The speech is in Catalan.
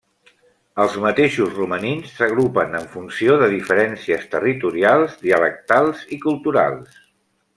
Els mateixos romanins s'agrupen en funció de diferències territorials, dialectals i culturals.